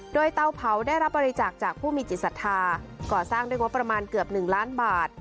โดยเตาเผาได้รับบริจาคจากผู้มีจิตศรัทธาก่อสร้างด้วยงบประมาณเกือบ๑ล้านบาท